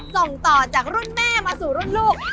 ส่งต่อจากรุ่นแม่มาสู่รุ่นลูก